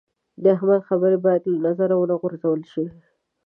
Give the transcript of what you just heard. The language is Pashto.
د احمد خبرې باید له نظره و نه غورځول شي.